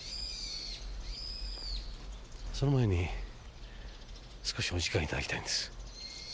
その前に少しお時間いただきたいんです。